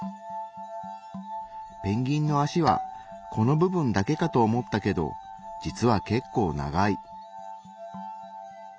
ペンギンの脚はこの部分だけかと思ったけど実は結構長い。